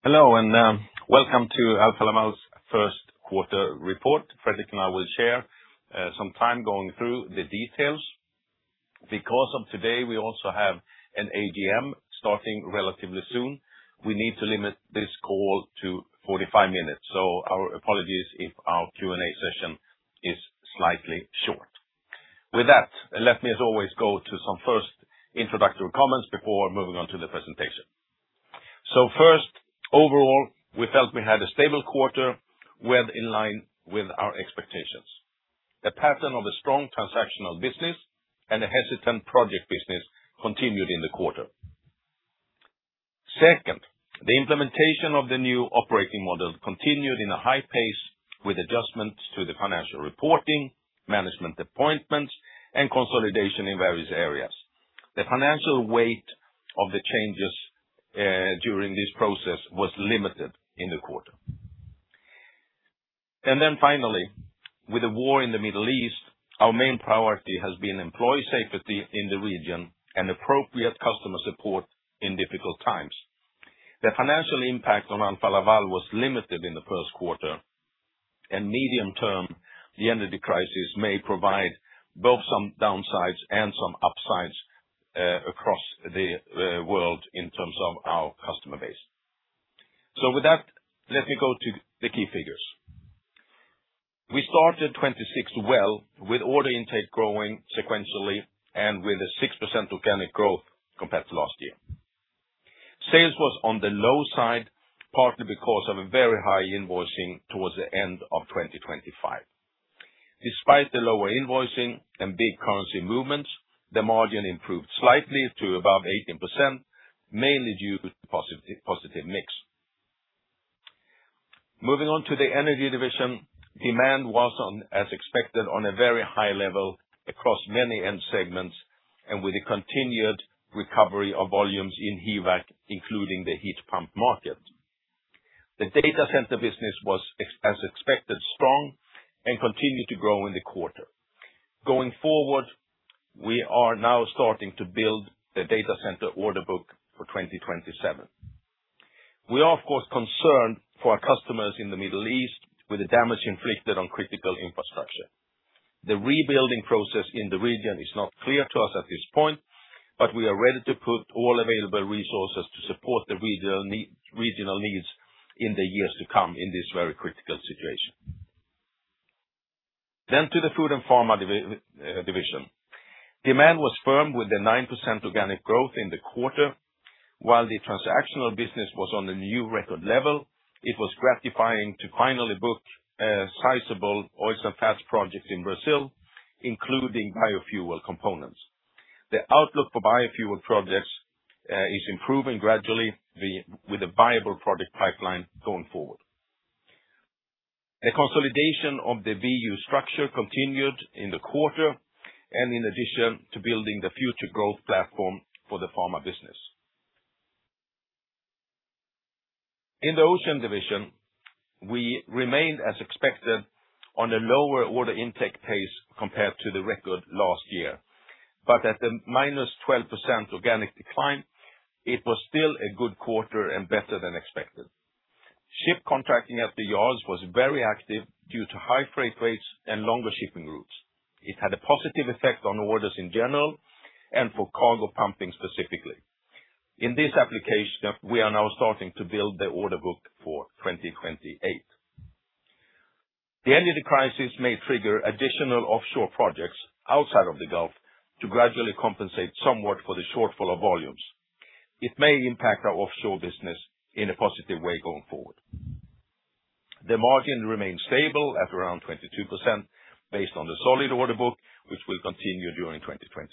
Hello, and welcome to Alfa Laval's Q1 Report. Fredrik and I will share some time going through the details. Because of today, we also have an AGM starting relatively soon. We need to limit this call to 45 minutes, so our apologies if our Q&A session is slightly short. With that, let me, as always, go to some first introductory comments before moving on to the presentation. First, overall, we felt we had a stable quarter, well in line with our expectations. The pattern of a strong transactional business and a hesitant project business continued in the quarter. Second, the implementation of the new operating model continued in a high pace with adjustments to the financial reporting, management appointments, and consolidation in various areas. The financial weight of the changes during this process was limited in the quarter. Finally, with the war in the Middle East, our main priority has been employee safety in the region and appropriate customer support in difficult times. The financial impact on Alfa Laval was limited in the Q1, and medium-term, the energy crisis may provide both some downsides and some upsides across the world in terms of our customer base. With that, let me go to the key figures. We started 2026 well, with order intake growing sequentially and with a 6% organic growth compared to last year. Sales was on the low side, partly because of a very high invoicing towards the end of 2025. Despite the lower invoicing and big currency movements, the margin improved slightly to above 18%, mainly due to positive mix. Moving on to the Energy Division, demand was, as expected, on a very high level across many end segments and with a continued recovery of volumes in HVAC, including the heat pump market. The data center business was, as expected, strong and continued to grow in the quarter. Going forward, we are now starting to build the data center order book for 2027. We are, of course, concerned for our customers in the Middle East with the damage inflicted on critical infrastructure. The rebuilding process in the region is not clear to us at this point, but we are ready to put all available resources to support the regional needs in the years to come in this very critical situation. To the Food & Pharma Division. Demand was firm with the 9% organic growth in the quarter. While the transactional business was on a new record level, it was gratifying to finally book a sizable oils and fats project in Brazil, including biofuel components. The outlook for biofuel projects is improving gradually with a viable product pipeline going forward. A consolidation of the BU structure continued in the quarter and in addition to building the future growth platform for the pharma business. In the Ocean Division, we remained as expected on a lower order intake pace compared to the record last year. At the -12% organic decline, it was still a good quarter and better than expected. Ship contracting at the yards was very active due to high freight rates and longer shipping routes. It had a positive effect on orders in general and for cargo pumping specifically. In this application, we are now starting to build the order book for 2028. The energy crisis may trigger additional offshore projects outside of the Gulf to gradually compensate somewhat for the shortfall of volumes. It may impact our offshore business in a positive way going forward. The margin remains stable at around 22% based on the solid order book, which will continue during 2026.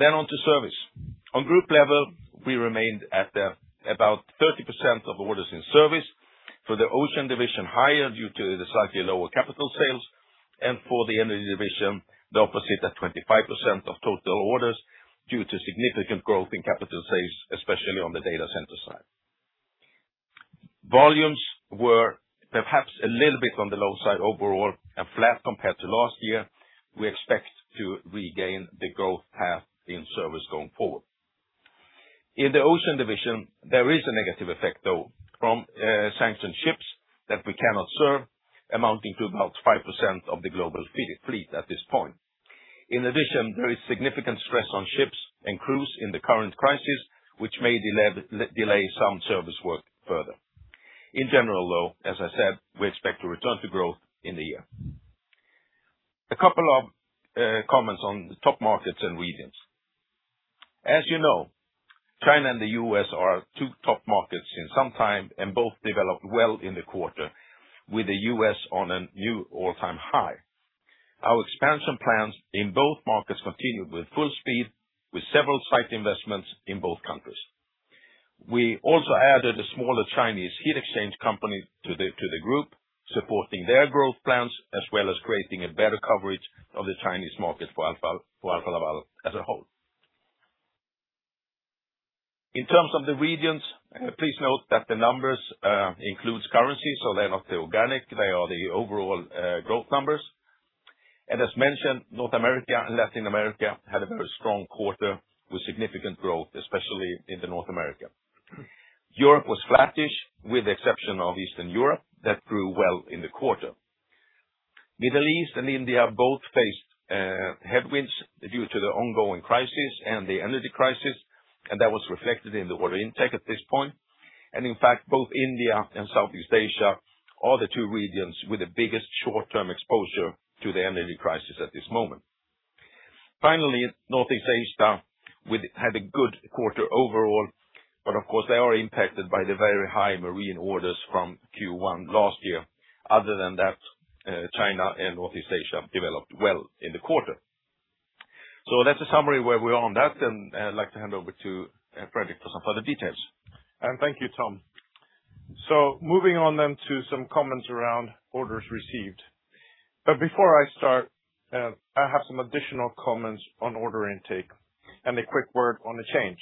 On to service. On group level, we remained at about 30% of orders in service. For the Ocean Division, higher due to the slightly lower capital sales, and for the Energy Division, the opposite at 25% of total orders due to significant growth in capital sales, especially on the data center side. Volumes were perhaps a little bit on the low side overall and flat compared to last year. We expect to regain the growth path in service going forward. In the Ocean Division, there is a negative effect, though, from sanctioned ships that we cannot serve, amounting to about 5% of the global fleet at this point. In addition, there is significant stress on ships and crews in the current crisis, which may delay some service work further. In general, though, as I said, we expect to return to growth in the year. A couple of comments on the top markets and regions. As you know, China and the U.S. are our two top markets in some time and both developed well in the quarter with the U.S. on a new all-time high. Our expansion plans in both markets continued with full speed with several site investments in both countries. We also added a smaller Chinese heat exchange company to the group, supporting their growth plans, as well as creating a better coverage of the Chinese market for Alfa Laval as a whole. In terms of the regions, please note that the numbers includes currency, so they're not the organic, they are the overall growth numbers. As mentioned, North America and Latin America had a very strong quarter with significant growth, especially into North America. Europe was flattish, with the exception of Eastern Europe, that grew well in the quarter. Middle East and India both faced headwinds due to the ongoing crisis and the energy crisis, and that was reflected in the order intake at this point. In fact, both India and Southeast Asia are the two regions with the biggest short-term exposure to the energy crisis at this moment. Finally, Northeast Asia had a good quarter overall, but of course they are impacted by the very high marine orders from Q1 last year. Other than that, China and Northeast Asia developed well in the quarter. That's a summary where we are on that, and I'd like to hand over to Fredrik for some further details. Thank you, Tom. Moving on then to some comments around orders received. Before I start, I have some additional comments on order intake and a quick word on the change.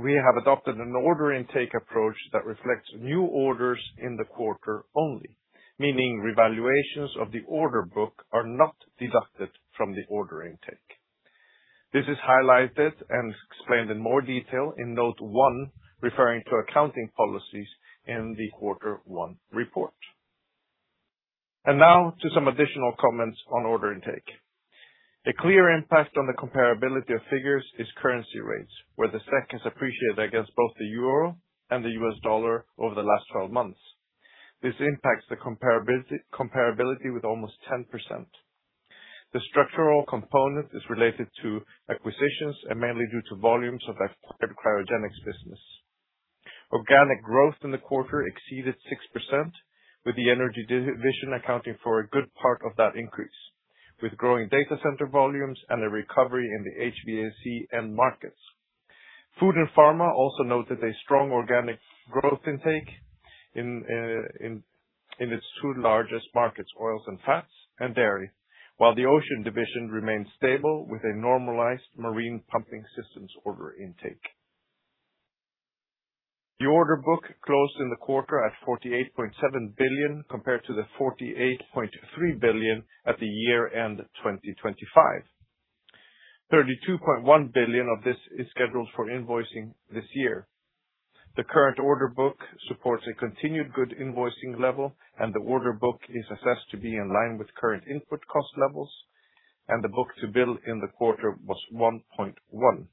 We have adopted an order intake approach that reflects new orders in the quarter only, meaning revaluations of the order book are not deducted from the order intake. This is highlighted and explained in more detail in Note 1, referring to accounting policies in the Q1 report. Now to some additional comments on order intake. A clear impact on the comparability of figures is currency rates, where the SEK has appreciated against both the euro and the US dollar over the last 12 months. This impacts the comparability with almost 10%. The structural component is related to acquisitions and mainly due to volumes of acquired cryogenics business. Organic growth in the quarter exceeded 6%, with the Energy Division accounting for a good part of that increase, with growing data center volumes and a recovery in the HVAC end markets. Food & Pharma also noted a strong organic growth intake in its two largest markets, oils and fats and dairy, while the Ocean Division remains stable with a normalized marine pumping systems order intake. The order book closed in the quarter at 48.7 billion, compared to 48.3 billion at year-end 2025. 32.1 billion of this is scheduled for invoicing this year. The current order book supports a continued good invoicing level, and the order book is assessed to be in line with current input cost levels, and the book-to-bill in the quarter was 1.1.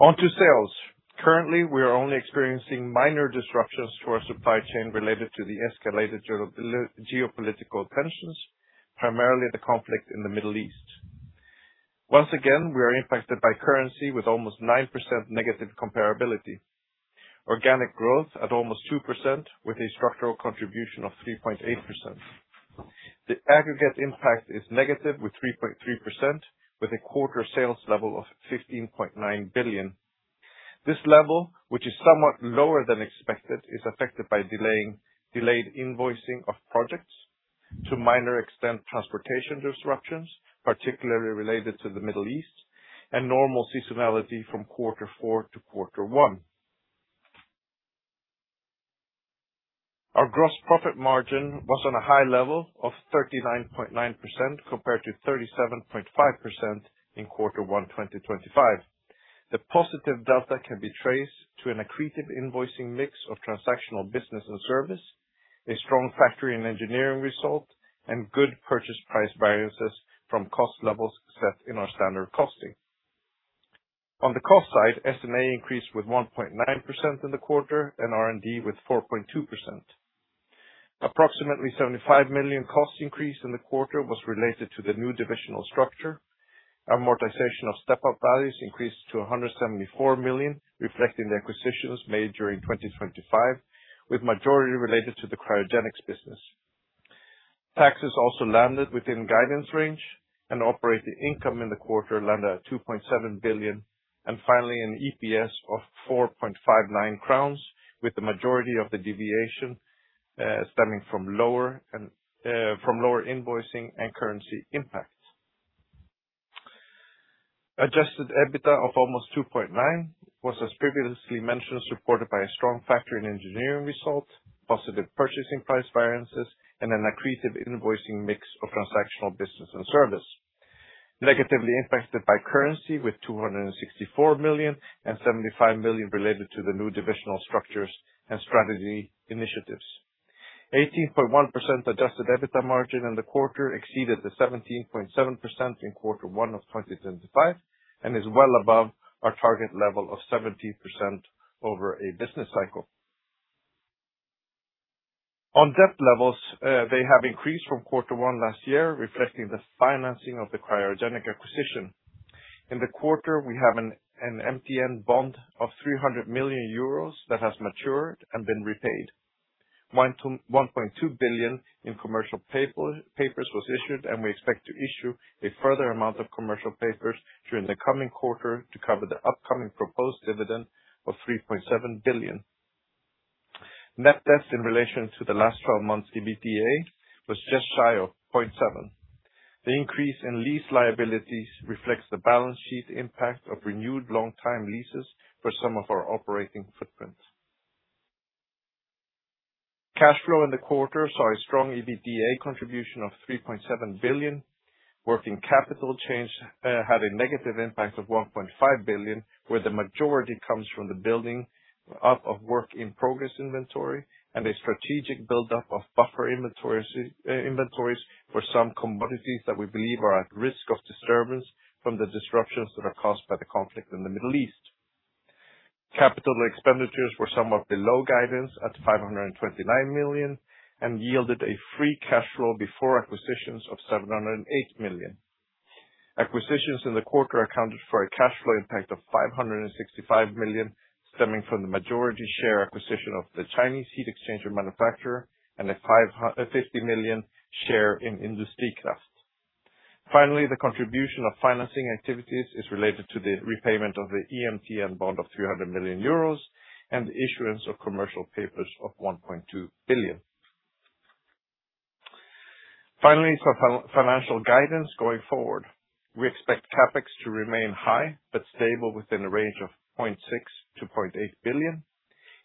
On to sales. Currently, we are only experiencing minor disruptions to our supply chain related to the escalated geopolitical tensions, primarily the conflict in the Middle East. Once again, we are impacted by currency with almost 9% negative comparability. Organic growth at almost 2% with a structural contribution of 3.8%. The aggregate impact is negative with 3.3%, with a quarter sales level of 15.9 billion. This level, which is somewhat lower than expected, is affected by delayed invoicing of projects, to a minor extent, transportation disruptions, particularly related to the Middle East, and normal seasonality from Q4 to Q1. Our gross profit margin was on a high level of 39.9% compared to 37.5% in Q1, 2025. The positive delta can be traced to an accretive invoicing mix of transactional business and service, a strong factory and engineering result, and good purchase price variances from cost levels set in our standard costing. On the cost side, S&A increased with 1.9% in the quarter and R&D with 4.2%. Approximately 75 million cost increase in the quarter was related to the new divisional structure. Amortization of step-up values increased to 174 million, reflecting the acquisitions made during 2025, with majority related to the cryogenics business. Taxes also landed within guidance range, and operating income in the quarter landed at 2.7 billion. Finally, an EPS of 4.59 crowns, with the majority of the deviation stemming from lower invoicing and currency impacts. Adjusted EBITDA of almost 2.9 billion was, as previously mentioned, supported by a strong factory and engineering result, positive purchasing price variances, and an accretive invoicing mix of transactional business and service, negatively impacted by currency with 264 million and 75 million related to the new divisional structures and strategy initiatives. 18.1% adjusted EBITDA margin in the quarter exceeded the 17.7% in Q1 of 2025 and is well above our target level of 17% over a business cycle. On debt levels, they have increased from Q1 last year, reflecting the financing of the cryogenic acquisition. In the quarter, we have an MTN bond of 300 million euros that has matured and been repaid. 1.2 billion in commercial papers was issued and we expect to issue a further amount of commercial papers during the coming quarter to cover the upcoming proposed dividend of 3.7 billion. Net debt in relation to the last 12 months EBITDA was just shy of 0.7. The increase in lease liabilities reflects the balance sheet impact of renewed long-term leases for some of our operating footprints. Cash flow in the quarter saw a strong EBITDA contribution of 3.7 billion. Working capital change had a negative impact of 1.5 billion, where the majority comes from the building up of work in progress inventory and a strategic buildup of buffer inventories for some commodities that we believe are at risk of disturbance from the disruptions that are caused by the conflict in the Middle East. Capital expenditures were somewhat below guidance at 529 million and yielded a free cash flow before acquisitions of 708 million. Acquisitions in the quarter accounted for a cash flow impact of 565 million, stemming from the majority share acquisition of the Chinese heat exchanger manufacturer and a 550 million share in Industrikraft. Finally, the contribution of financing activities is related to the repayment of the EMTN bond of 300 million euros and the issuance of commercial papers of 1.2 billion. Finally, some financial guidance going forward. We expect CapEx to remain high but stable within a range of 0.6 billion-0.8 billion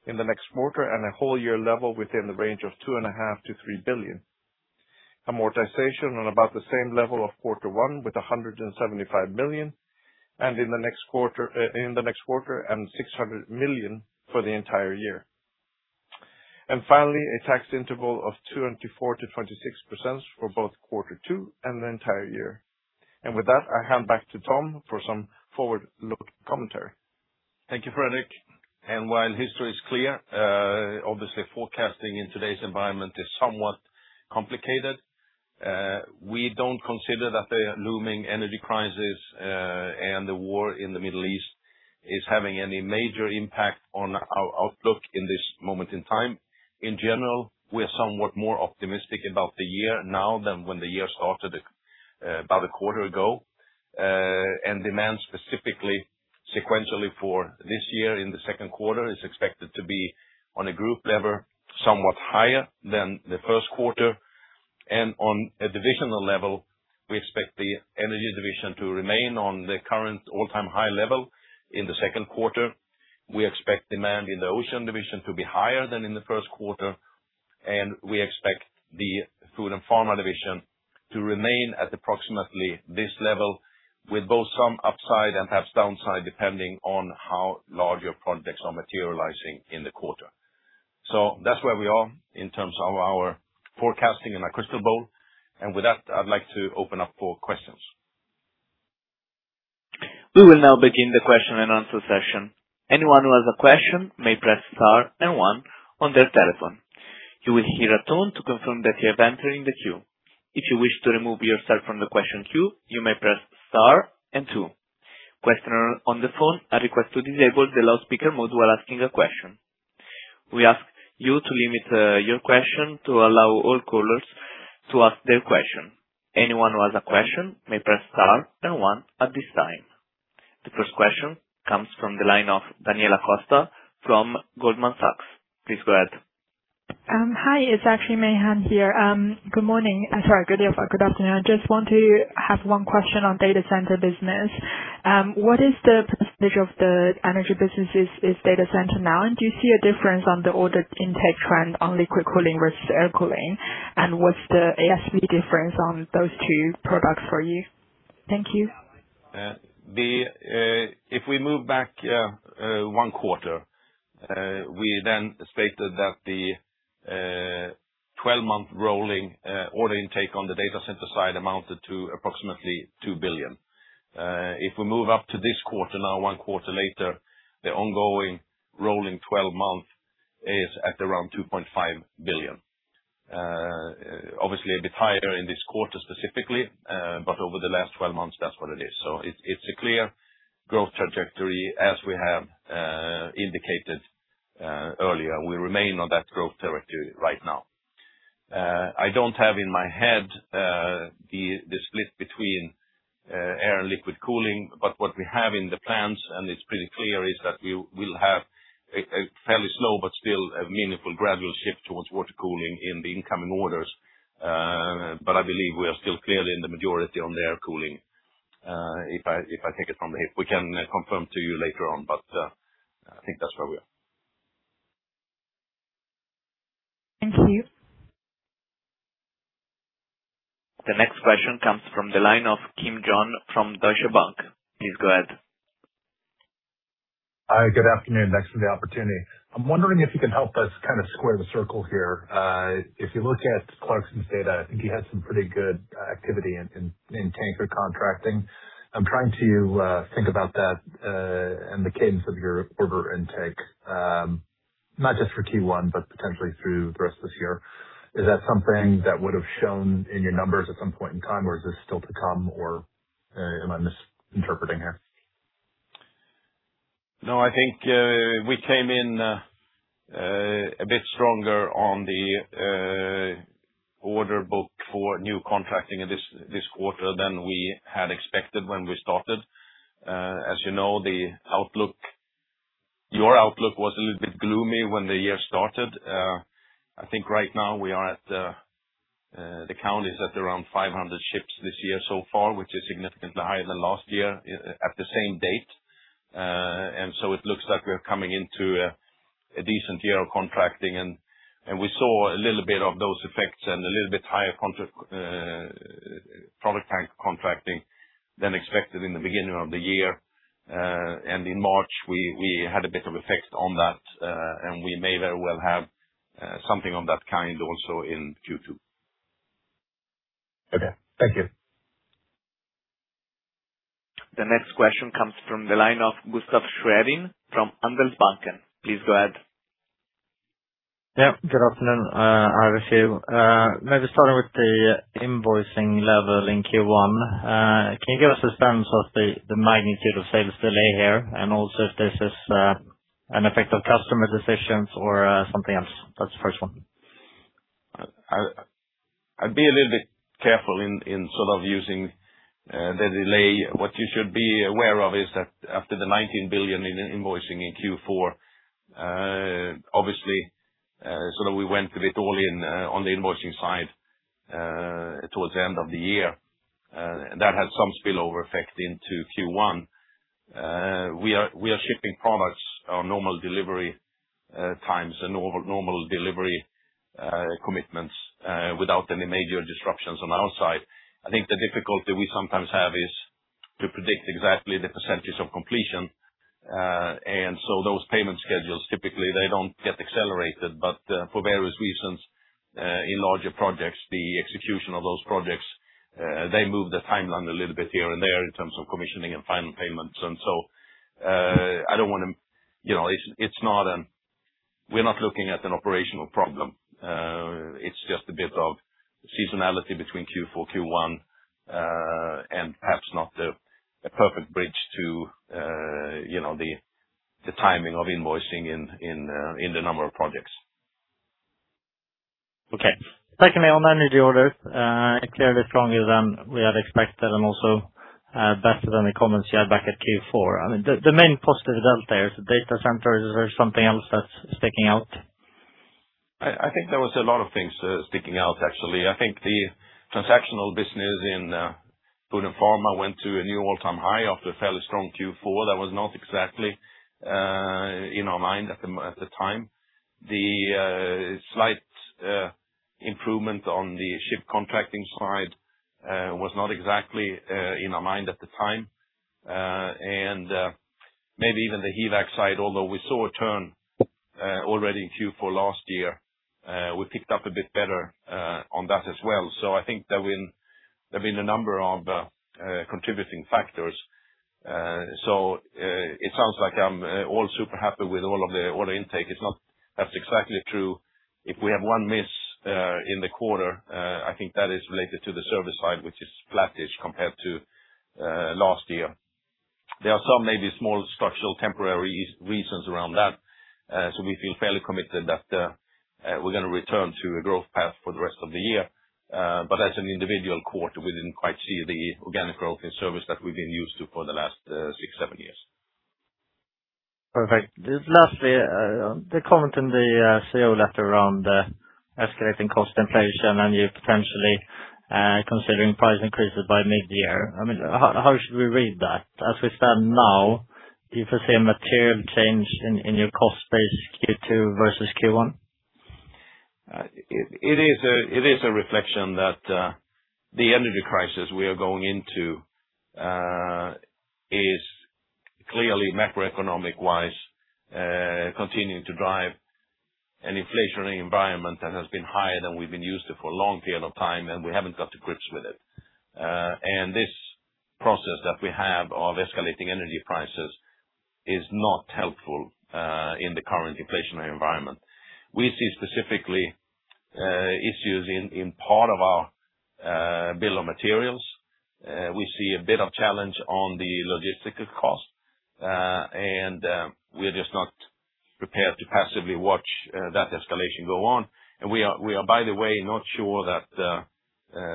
in the next quarter and a whole year level within the range of 2.5 billion-3 billion. Amortization on about the same level of Q1 with 175 million and in the next quarter, and 600 million for the entire year. Finally, a tax interval of 24%-26% for both Q2 and the entire year. With that, I hand back to Tom for some forward-look commentary. Thank you, Fredrik. While history is clear, obviously forecasting in today's environment is somewhat complicated. We don't consider that the looming energy crisis and the war in the Middle East is having any major impact on our outlook in this moment in time. In general, we're somewhat more optimistic about the year now than when the year started about a quarter ago. Demand specifically, sequentially for this year in the Q2 is expected to be on a group level, somewhat higher than the Q1. On a divisional level, we expect the Energy Division to remain on the current all-time high level in the Q2. We expect demand in the Ocean Division to be higher than in the Q1, and we expect the Food & Pharma Division to remain at approximately this level with both some upside and perhaps downside, depending on how larger projects are materializing in the quarter. That's where we are in terms of our forecasting in a crystal ball. With that, I'd like to open up for questions. We will now begin the question-and-answer session. Anyone who has a question may press star and one on their telephone. You will hear a tone to confirm that you have entered in the queue. If you wish to remove yourself from the question queue, you may press star and 2. Questioner on the phone, I request to disable the loudspeaker mode while asking a question. We ask you to limit your question to allow all callers to ask their question. Anyone who has a question may press star and 1 at this time. The first question comes from the line of Daniela Costa from Goldman Sachs. Please go ahead. Hi, it's actually Meihan Yang here. Good morning. Sorry. Good day, folks. Good afternoon. I just want to have one question on data center business. What is the percentage of the energy businesses is data center now, and do you see a difference on the order intake trend on liquid cooling versus air cooling? And what's the ASP difference on those two products for you? Thank you. If we move back one quarter, we then stated that the 12-month rolling order intake on the data center side amounted to approximately 2 billion. If we move up to this quarter, now one quarter later, the ongoing rolling 12 months is at around 2.5 billion. Obviously a bit higher in this quarter specifically, but over the last 12 months, that's what it is. It's a clear growth trajectory as we have indicated earlier. We remain on that growth territory right now. I don't have in my head the split between air and liquid cooling, but what we have in the plans, and it's pretty clear, is that we will have a fairly slow but still a meaningful gradual shift towards water cooling in the incoming orders. I believe we are still clearly in the majority on the air cooling. We can confirm to you later on, but I think that's where we are. Thank you. The next question comes from the line of John Kim from Deutsche Bank. Please go ahead. Hi, good afternoon. Thanks for the opportunity. I'm wondering if you can help us square the circle here. If you look at Clarksons Research data, I think you had some pretty good activity in tanker contracting. I'm trying to think about that, and the cadence of your order intake, not just for Q1, but potentially through the rest of this year. Is that something that would have shown in your numbers at some point in time, or is this still to come, or am I misinterpreting here? No, I think we came in a bit stronger on the order book for new contracting this quarter than we had expected when we started. As you know, your outlook was a little bit gloomy when the year started. I think right now the count is at around 500 ships this year so far, which is significantly higher than last year at the same date. It looks like we are coming into a decent year of contracting, and we saw a little bit of those effects and a little bit higher product tank contracting than expected in the beginning of the year. In March we had a bit of effect on that, and we may very well have something of that kind also in Q2. Okay. Thank you. The next question comes from the line of Gustaf Schwerin from Handelsbanken. Please go ahead. Yeah. Good afternoon. I have a few. Maybe starting with the invoicing level in Q1. Can you give us a sense of the magnitude of sales delay here and also if this is an effect of customer decisions or something else? That's the first one. I'd be a little bit careful in using the delay. What you should be aware of is that after the 19 billion in invoicing in Q4, obviously, we went a little bit all in on the invoicing side towards the end of the year. That had some spillover effect into Q1. We are shipping products on normal delivery times and normal delivery commitments without any major disruptions on our side. I think the difficulty we sometimes have is to predict exactly the percentage of completion. Those payment schedules, typically they don't get accelerated. For various reasons, in larger projects, the execution of those projects, they move the timeline a little bit here and there in terms of commissioning and final payments. We're not looking at an operational problem. It's just a bit of seasonality between Q4, Q1, and perhaps not the perfect bridge to the timing of invoicing in the number of projects. Okay. Secondly, on energy orders, clearly stronger than we had expected and also better than the comments you had back at Q4. I mean, the main positive result there is data centers. Is there something else that's sticking out? I think there was a lot of things sticking out, actually. I think the transactional business in Food and Pharma went to a new all-time high after a fairly strong Q4 that was not exactly in our mind at the time. The slight improvement on the ship contracting side was not exactly in our mind at the time. Maybe even the HVAC side, although we saw a turn already in Q4 last year. We picked up a bit better on that as well. I think there've been a number of contributing factors. It sounds like I'm all super happy with all the intake. It's not that that's exactly true. If we have one miss in the quarter, I think that is related to the service side, which is flattish compared to last year. There are some maybe small structural temporary reasons around that. We feel fairly committed that we're going to return to a growth path for the rest of the year. As an individual quarter, we didn't quite see the organic growth in service that we've been used to for the last six, seven years. Perfect. Lastly, the comment in the CEO letter around escalating cost inflation and you're potentially considering price increases by mid-year. I mean, how should we read that? As we stand now, do you foresee a material change in your cost base Q2 versus Q1? It is a reflection that the energy crisis we are going into is clearly macroeconomic-wise continuing to drive an inflationary environment that has been higher than we've been used to for a long period of time, and we haven't got to grips with it. This process that we have of escalating energy prices is not helpful in the current inflationary environment. We see specifically issues in part of our bill of materials. We see a bit of challenge on the logistical cost. We are just not prepared to passively watch that escalation go on. We are, by the way, not sure that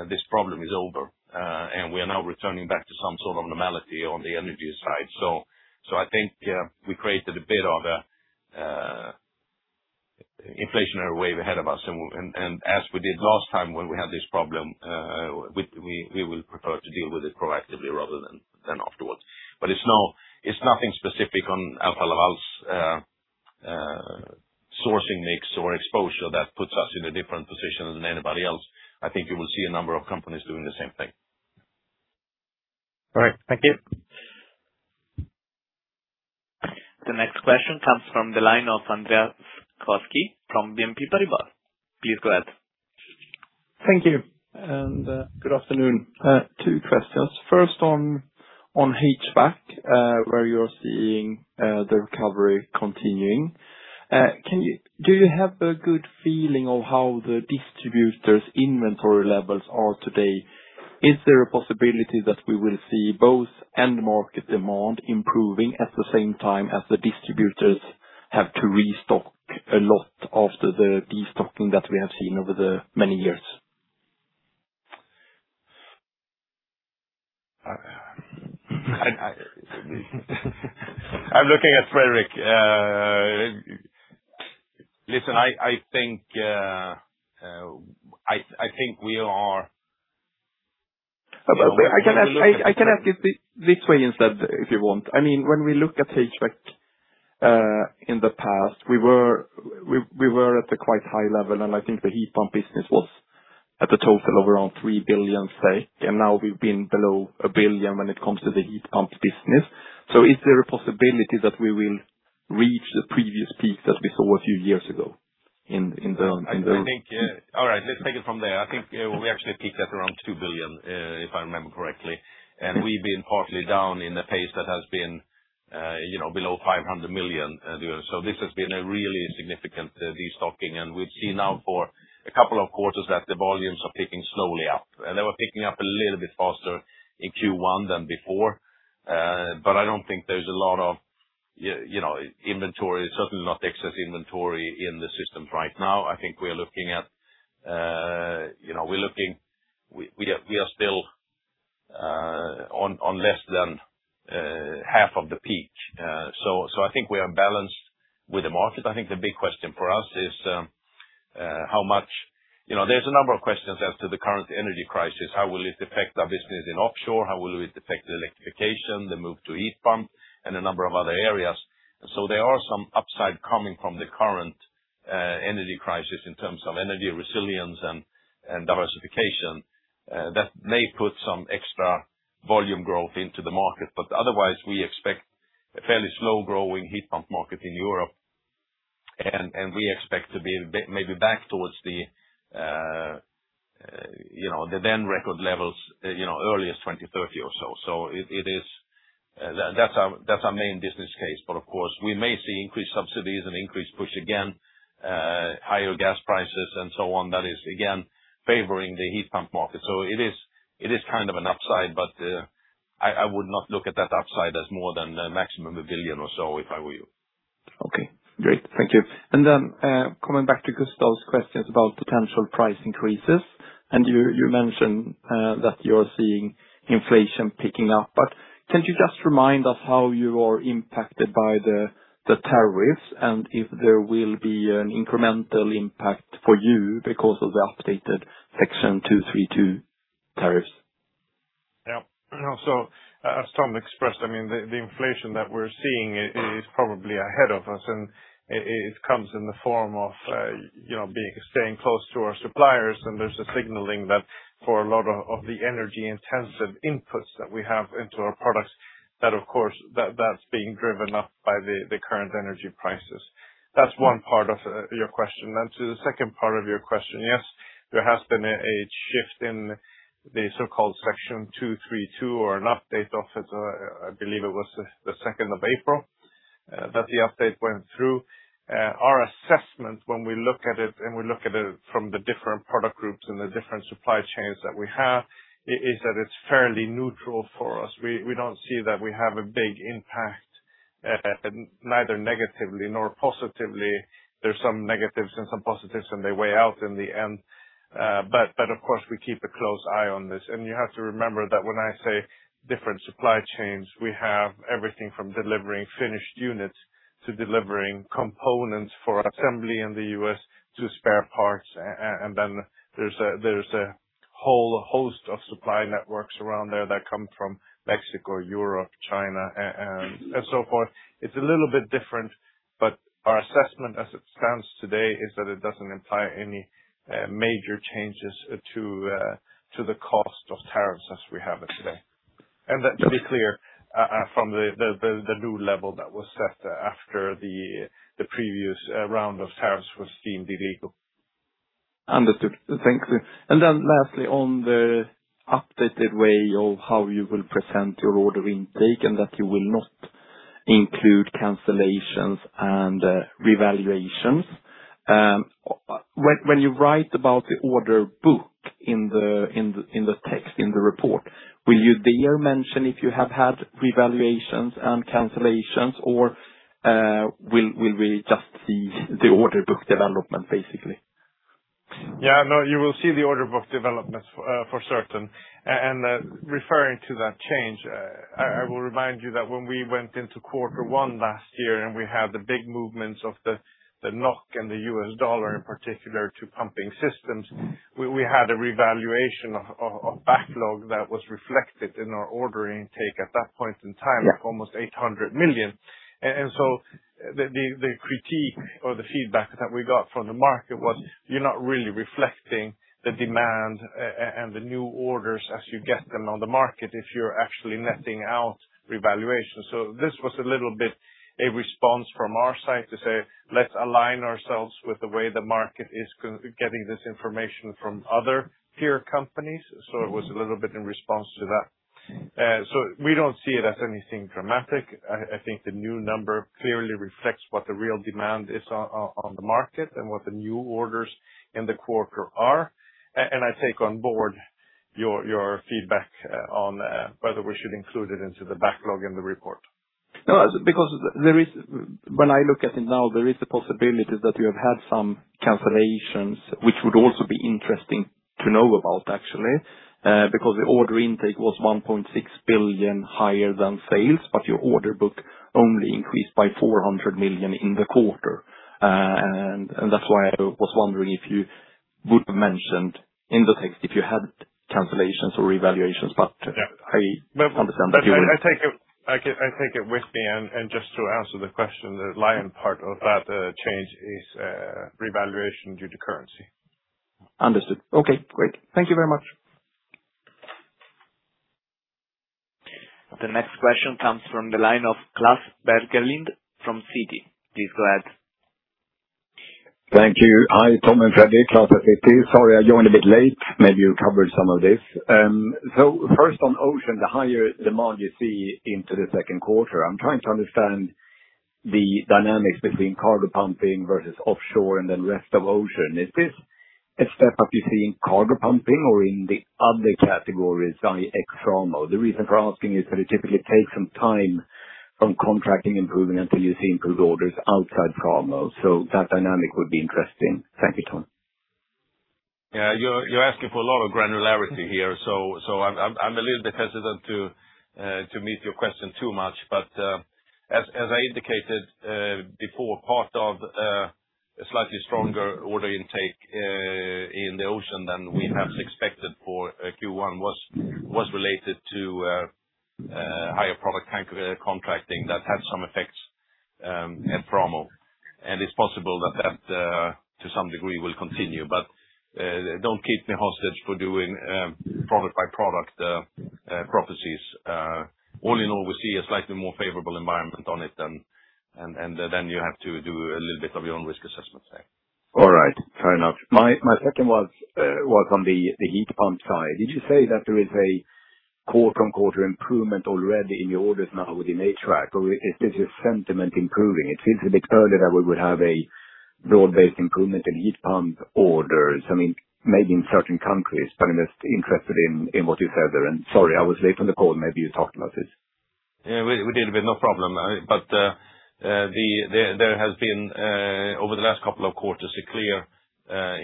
this problem is over, and we are now returning back to some sort of normality on the energy side. I think we created a bit of an inflationary wave ahead of us. As we did last time when we had this problem, we will prefer to deal with it proactively rather than afterwards. It's nothing specific on Alfa Laval's sourcing mix or exposure that puts us in a different position than anybody else. I think you will see a number of companies doing the same thing. All right. Thank you. The next question comes from the line of Andreas Koski from BNP Paribas. Please go ahead. Thank you, and good afternoon. Two questions. First on HVAC, where you're seeing the recovery continuing. Do you have a good feeling of how the distributors' inventory levels are today? Is there a possibility that we will see both end market demand improving at the same time as the distributors have to restock a lot after the de-stocking that we have seen over the many years? I'm looking at Fredrik. Listen, I think we are. I can ask it this way instead, if you want. When we look at HVAC, in the past, we were at a quite high level, and I think the heat pump business was at a total of around 3 billion SEK, say, and now we've been below 1 billion when it comes to the heat pump business. Is there a possibility that we will reach the previous peak that we saw a few years ago in the- All right, let's take it from there. I think we actually peaked at around 2 billion, if I remember correctly. We've been partly down in a pace that has been below 500 million. This has been a really significant de-stocking. We've seen now for a couple of quarters that the volumes are picking slowly up. They were picking up a little bit faster in Q1 than before. I don't think there's a lot of inventory, certainly not excess inventory, in the system right now. I think we are still on less than half of the peak. I think we are balanced with the market. I think the big question for us is. There's a number of questions as to the current energy crisis. How will it affect our business in offshore? How will it affect the electrification, the move to heat pump, and a number of other areas? There are some upside coming from the current energy crisis in terms of energy resilience and diversification. That may put some extra volume growth into the market. Otherwise, we expect a fairly slow-growing heat pump market in Europe. We expect to be maybe back towards the then record levels early as 2030 or so. That's our main business case. Of course, we may see increased subsidies and increased push again, higher gas prices and so on, that is again favoring the heat pump market. It is kind of an upside, but I would not look at that upside as more than maximum 1 billion or so if I were you. Okay, great. Thank you. Then, coming back to Gustaf's questions about potential price increases. You mentioned that you're seeing inflation picking up. Can you just remind us how you are impacted by the tariffs, and if there will be an incremental impact for you because of the updated Section 232 tariffs? Yeah. As Tom expressed, the inflation that we're seeing is probably ahead of us, and it comes in the form of staying close to our suppliers. There's a signaling that for a lot of the energy-intensive inputs that we have into our products, that of course that's being driven up by the current energy prices. That's one part of your question. To the second part of your question, yes, there has been a shift in the so-called Section 232 or an update of it, I believe it was the 2nd of April, that the update went through. Our assessment when we look at it, and we look at it from the different product groups and the different supply chains that we have, is that it's fairly neutral for us. We don't see that we have a big impact, neither negatively nor positively. There's some negatives and some positives, and they weigh out in the end. Of course, we keep a close eye on this. You have to remember that when I say different supply chains, we have everything from delivering finished units to delivering components for assembly in the U.S. to spare parts. Then there's a whole host of supply networks around there that come from Mexico, Europe, China, and so forth. It's a little bit different, but our assessment as it stands today is that it doesn't imply any major changes to the cost of tariffs as we have it today. That, to be clear, from the new level that was set after the previous round of tariffs was deemed illegal. Understood. Thank you. Lastly, on the updated way of how you will present your order intake and that you will not include cancellations and revaluations. When you write about the order book in the text in the report, will you there mention if you have had revaluations and cancellations, or will we just see the order book development, basically? Yeah. No, you will see the order book developments for certain. Referring to that change, I will remind you that when we went into Q1 last year and we had the big movements of the NOK and the US dollar in particular to pumping systems, we had a revaluation of backlog that was reflected in our ordering intake at that point in time of almost 800 million. The critique or the feedback that we got from the market was, "You're not really reflecting the demand and the new orders as you get them on the market if you're actually netting out revaluation." This was a little bit a response from our side to say, let's align ourselves with the way the market is getting this information from other peer companies. It was a little bit in response to that. We don't see it as anything dramatic. I think the new number clearly reflects what the real demand is on the market and what the new orders in the quarter are. I take on board your feedback on whether we should include it into the backlog in the report. No, because when I look at it now, there is a possibility that you have had some cancellations, which would also be interesting to know about actually, because the order intake was 1.6 billion higher than sales, but your order book only increased by 400 million in the quarter. That's why I was wondering if you would've mentioned in the text if you had cancellations or revaluations, but I understand that you wouldn't. I take it with me and just to answer the question, the lion's share of that change is revaluation due to currency. Understood. Okay, great. Thank you very much. The next question comes from the line of Klas Bergelind from Citi. Please go ahead. Thank you. Hi, Tom and Fredrik, Klas at Citi. Sorry, I joined a bit late. Maybe you covered some of this. First on Ocean, the higher demand you see into the Q2. I'm trying to understand the dynamics between cargo pumping versus offshore and then rest of Ocean. Is this effect that you see in cargo pumping or in the other categories ex Framo? The reason for asking is that it typically takes some time from contracting improvement until you see improved orders outside Framo. That dynamic would be interesting. Thank you, Tom. Yeah, you're asking for a lot of granularity here, so I'm a little bit hesitant to meet your question too much. As I indicated before, part of a slightly stronger order intake in the ocean than we had expected for Q1 was related to higher product contracting that had some effects at Framo. It's possible that to some degree will continue. Don't keep me hostage for doing product by product prophecies. All in all, we see a slightly more favorable environment on it than, and then you have to do a little bit of your own risk assessment there. All right, fair enough. My second was on the heat pump side. Did you say that there is a quarter-over-quarter improvement already in the orders now within HVAC? Or is this just sentiment improving? It feels a bit early that we would have a broad-based improvement in heat pump orders. I mean, maybe in certain countries, but I'm just interested in what you gather. Sorry, I was late on the call, maybe you talked about this. Yeah, we did. No problem. There has been, over the last couple of quarters, a clear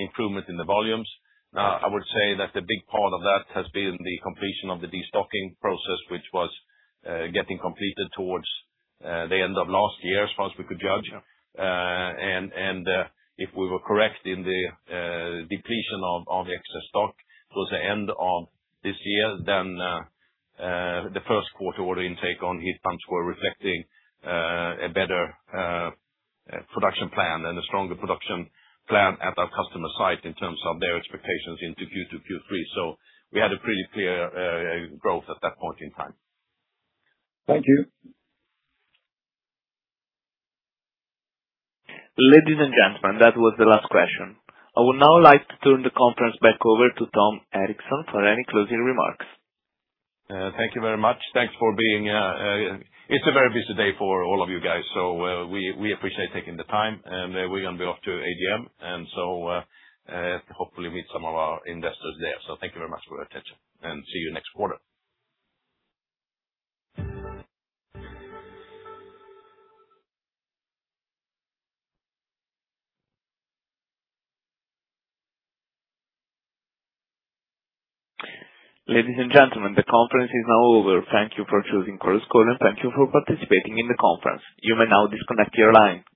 improvement in the volumes. Now, I would say that the big part of that has been the completion of the destocking process, which was getting completed towards the end of last year, as far as we could judge. If we were correct in the depletion of the excess stock towards the end of this year, then the Q1 order intake on heat pumps were reflecting a better production plan and a stronger production plan at our customer site in terms of their expectations into Q2, Q3. We had a pretty clear growth at that point in time. Thank you. Ladies and gentlemen, that was the last question. I would now like to turn the conference back over to Tom Erixon for any closing remarks. Thank you very much. Thanks for being. It's a very busy day for all of you guys, so we appreciate taking the time. We're going to be off to AGM, and so hopefully meet some of our Investors there. Thank you very much for your attention, and see you next quarter. Ladies and gentlemen, the conference is now over. Thank you for choosing Chorus Call, and thank you for participating in the conference. You may now disconnect your line.